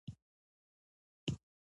دا کار د نورو د حق په خاطر هم کوو.